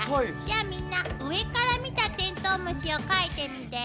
じゃあみんな上から見たテントウムシを描いてみて。